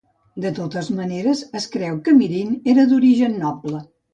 De totes maneres, es creu que Mirin era d'origen noble.